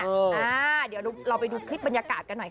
เดี๋ยวเราไปดูคลิปบรรยากาศกันหน่อยค่ะ